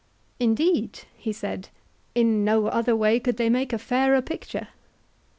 Indeed, he said, in no way could they make a fairer picture.